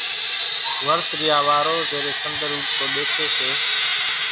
ورت ريا وارو زيرين سنۮر اُوڳتو ۮيکي سي،